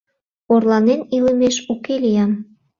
Орланен илымеш уке лиям!